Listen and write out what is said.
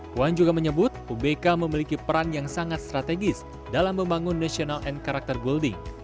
puan juga menyebut ubk memiliki peran yang sangat strategis dalam membangun national and character building